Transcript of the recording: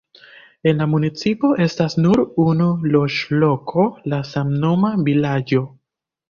En la municipo estas nur unu loĝloko, la samnoma vilaĝo.